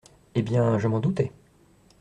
Eh bien, je m’en doutais.